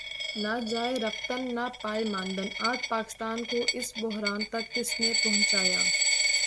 نہ جائے رفتن نہ پائے ماندن آج پاکستان کو اس بحران تک کس نے پہنچایا؟